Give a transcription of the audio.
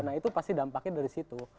nah itu pasti dampaknya dari situ